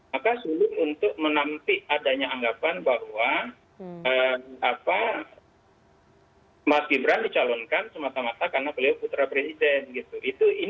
maka sulit untuk menampik adanya anggapan bahwa mas gibran dicalonkan semata mata karena beliau putra presiden gitu